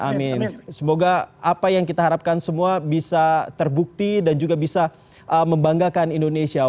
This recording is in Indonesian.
amin semoga apa yang kita harapkan semua bisa terbukti dan juga bisa membanggakan indonesia